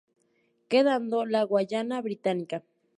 Quedando la Guayana británica.